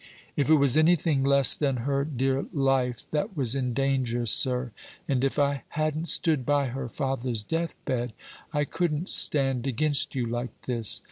If it was anything less than her dear life that was in danger, sir, and if I hadn't stood by her father's deathbed, I couldn't stand against you like this.